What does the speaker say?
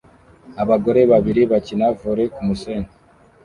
Abagore babiri bakina volley kumusenyi